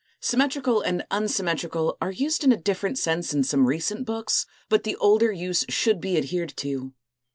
(Symmetrical and unsymmetrical are used in a different sense in some recent books, but the older use should be adhered to).